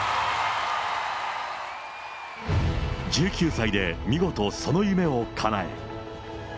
１９歳で見事、その夢をかなえ。